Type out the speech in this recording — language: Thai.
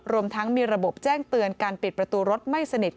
รวมทั้งมีระบบแจ้งเตือนการปิดประตูรถไม่สนิท